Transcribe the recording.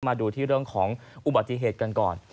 มาดูที่เรื่องของอุบัติเหตุกันก่อน